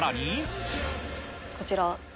こちら。